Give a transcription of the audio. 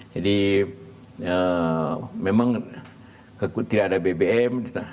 jadi memang tidak ada bbm